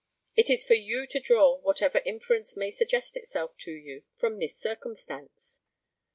It is for you to draw whatever inference may suggest itself to you from this circumstance.